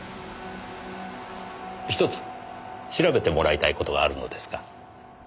ひとつ調べてもらいたい事があるのですが。